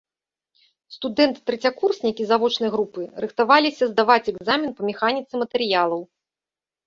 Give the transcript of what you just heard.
Студэнты-трэцякурснікі завочнай групы рыхтаваліся здаваць экзамен па механіцы матэрыялаў.